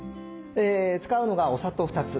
使うのがお砂糖２つ。